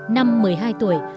năm một mươi hai tuổi